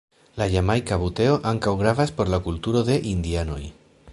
La Jamajka buteo ankaŭ gravas por la kulturo de indianoj.